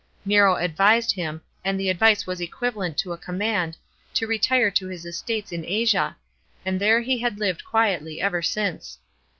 Nero advised him, and the advice was equivalent to a command, to retire to his estates in Asia, and there he had lived quietly ever since.